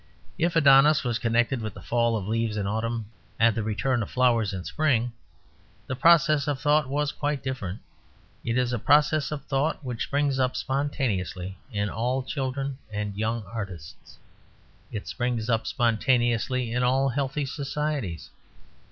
If Adonis was connected with the fall of leaves in autumn and the return of flowers in spring, the process of thought was quite different. It is a process of thought which springs up spontaneously in all children and young artists; it springs up spontaneously in all healthy societies.